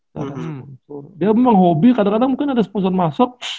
dia memang hobi kadang kadang mungkin ada sponsor masuk